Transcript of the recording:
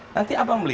nanti abang beli